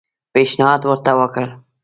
پېشنهاد ورته وکړ.